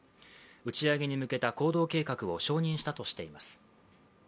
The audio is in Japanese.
打ち上げに向けた行動計画を承認したとしています。